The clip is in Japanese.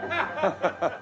ハハハハ。